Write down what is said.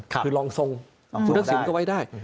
คือรองทรงคุณทักษิณก็ไว้ได้